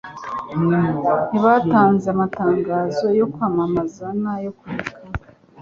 Ntibatanze amatangazo yo kwamamaza na yokubika